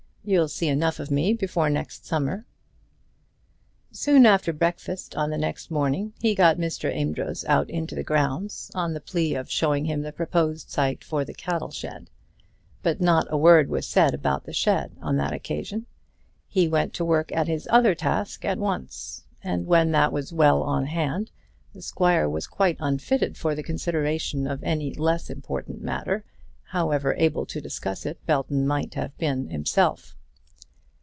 You'll see enough of me before next summer." Soon after breakfast on the next morning he got Mr. Amedroz out into the grounds, on the plea of showing him the proposed site for the cattle shed; but not a word was said about the shed on that occasion. He went to work at his other task at once, and when that was well on hand the squire was quite unfitted for the consideration of any less important matter, however able to discuss it Belton might have been himself.